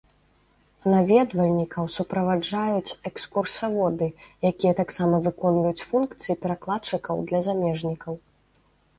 Наведвальнікаў суправаджаюць экскурсаводы, якія таксама выконваюць функцыі перакладчыкаў для замежнікаў.